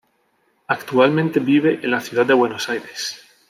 Actualmente vive en la Ciudad de Buenos Aires.